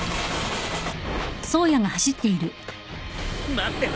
待ってろ。